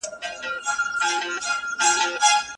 عائشة رضي الله عنها فرمايي: که يوه ښځه کفارو ته امان ورکړي.